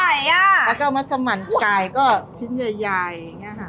แล้วก็มัสมันไก่ก็ชิ้นใหญ่อย่างนี้ค่ะ